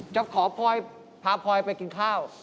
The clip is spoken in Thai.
จะขอพลอยพาพลอยไปกินข้าว